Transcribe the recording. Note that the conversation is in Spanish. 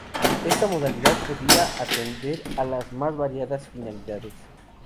Esta modalidad podía atender a las más variadas finalidades.